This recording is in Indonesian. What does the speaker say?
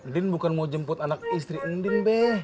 din bukan mau jemput anak istri indin be